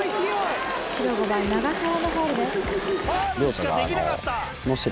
白５番長澤のファウルです。